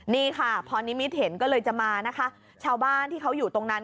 นี่ค่ะพอนิมิตเห็นก็เลยจะมานะคะชาวบ้านที่เขาอยู่ตรงนั้น